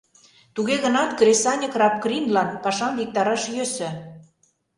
Туге гынат кресаньык рабкринлан пашам виктараш йӧсӧ.